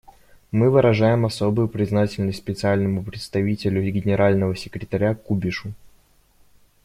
Мы выражаем особую признательность Специальному представителю Генерального секретаря Кубишу.